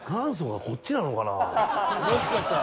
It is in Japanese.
もしかしたら。